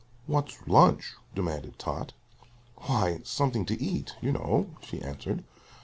"What's lunch?" demanded Tot. "Why something to eat, you know," she answered.